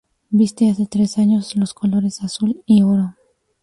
Viste hace tres años los colores azul y oro.